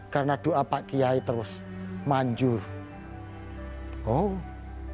karena doa pak giai dan perempuan itu tidak berhenti jualan sangkar burung